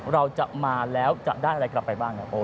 เราจะมาแล้วจะได้อะไรกลับไปบ้างครับ